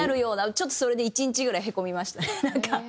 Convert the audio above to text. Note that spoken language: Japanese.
ちょっとそれで１日ぐらいへこみましたねなんか。